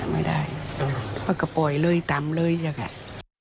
มันก็ปล่อยลื้อยตำลื้อยอย่างนั้น